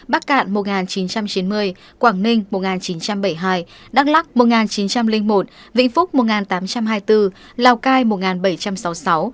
bắc cạn một chín trăm chín mươi quảng ninh một chín trăm bảy mươi hai đắk lắc một chín trăm linh một vĩnh phúc một tám trăm hai mươi bốn lào cai một bảy trăm sáu mươi sáu